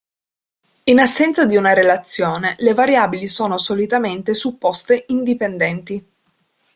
In assenza di una relazione, le variabili sono solitamente supposte indipendenti.